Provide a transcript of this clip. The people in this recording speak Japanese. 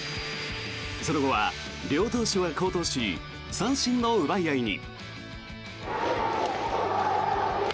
その後は、両投手が好投し三振の奪い合いに。